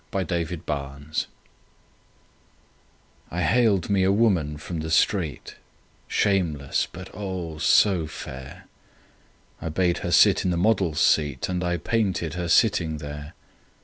My Madonna I haled me a woman from the street, Shameless, but, oh, so fair! I bade her sit in the model's seat And I painted her sitting there.